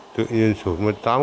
tự nhiên sụp mất tám cân